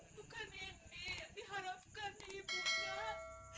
bukan ini yang diharapkan ibu ya